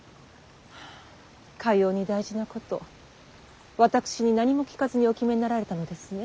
かように大事なこと私に何も聞かずにお決めになられたのですね。